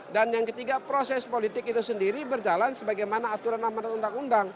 dan yang ketiga proses politik itu sendiri berjalan sebagaimana aturan amat amat undang undang